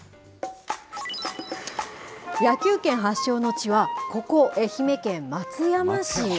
野球拳発祥の地は、ここ、愛媛県松山市。